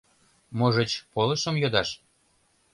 Можыч, полышым йодаш?